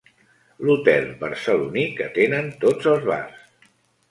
L'hotel barceloní que tenen tots els bars.